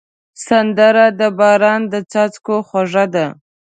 سندره د باران د څاڅکو خوږه ده